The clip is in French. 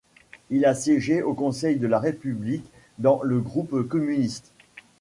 Il a siégé au Conseil de la République dans le groupe communiste.